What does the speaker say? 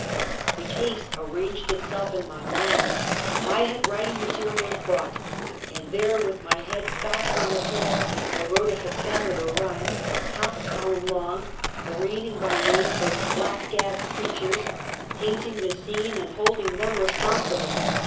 The case arranged itself in my mind. I had writ ing materials brought, and there, with my head fast on the pillow, I wrote a hexameter rhyme half a col umn long, arraigning by name those Black Gag preach ers, painting the scene, and holding them responsible.